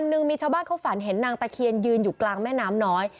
เขาฝันเห็นนางตาเทียนยืนอยู่กลางแม่น้ำน้อย